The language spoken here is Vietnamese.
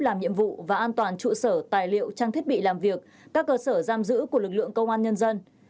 làm nhiệm vụ và an toàn trụ sở tài liệu trang thiết bị làm việc các cơ sở giam giữ của lực lượng công an nhân dân